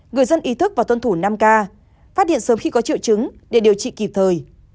người dân ý thức và tuân thủ năm k phát hiện sớm khi có triệu chứng để điều trị kịp thời